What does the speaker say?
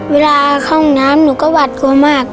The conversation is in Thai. เวลาเข้าห้องน้ำหนูก็หวาดกลัวมาก